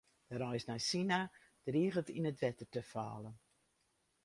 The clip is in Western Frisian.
De reis nei Sina driget yn it wetter te fallen.